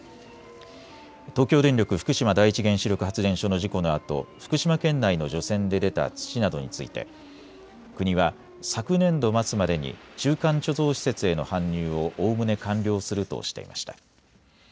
東京電力福島第一原子力発電所の事故のあと福島県内の除染で出た土などについて国は昨年度末までに中間貯蔵施設への搬入をおおむね完了するとしていました。